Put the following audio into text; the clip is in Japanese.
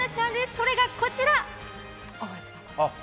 それがこちら！